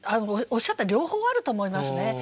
おっしゃった両方あると思いますね。